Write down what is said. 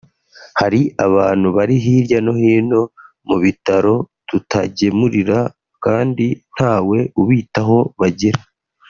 hari abantu bari hirya no hino mu bitaro tutagemurira kandi ntawe ubitaho bagira